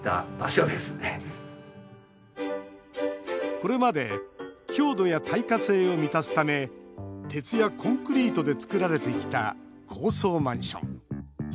これまで強度や耐火性を満たすため鉄やコンクリートで造られてきた高層マンション。